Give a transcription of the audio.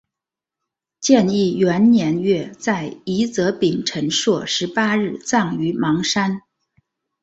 建义元年月在夷则丙辰朔十八日葬于邙山。